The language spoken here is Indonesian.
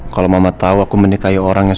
kalo mama tau aku menikahi orang yang sama aku